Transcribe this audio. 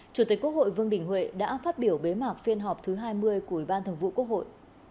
chủ tịch quốc hội vương đình huệ đã phát biểu bế mạc phiên họp thứ hai mươi của ủy ban thường vụ quốc hội